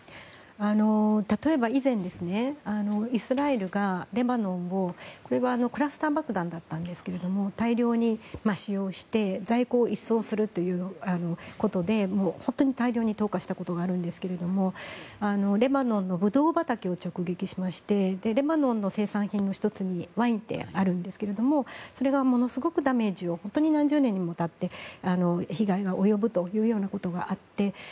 例えば以前、イスラエルがレバノンを、これはクラスター爆弾だったんですが大量に使用して在庫を一掃するということで本当に大量に投下したことがあったんですがレバノンのブドウ畑を直撃しましてレバノンの生産品の１つにワインってあるんですけどそれがものすごくダメージを本当に何十年にもわたって被害が及ぶというようなことがあって。